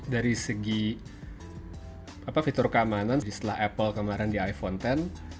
dari segi fitur keamanan di setelah apple kemarin di iphone x